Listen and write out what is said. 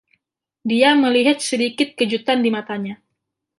Dia melihat sedikit kejutan di matanya.